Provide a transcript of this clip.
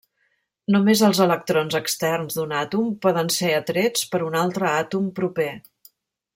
Només els electrons externs d'un àtom poden ser atrets per un altre àtom proper.